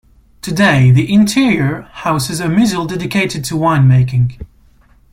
Today the interior houses a museum dedicated to winemaking.